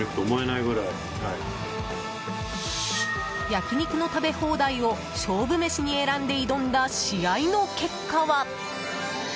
焼き肉の食べ放題を勝負飯に選んで挑んだ試合の結果は。